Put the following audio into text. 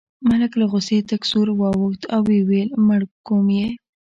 ملک له غوسې تک سور واوښت او وویل مړ کوم یې.